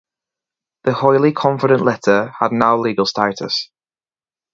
The highly confident letter had no legal status.